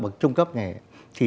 trung cấp nghề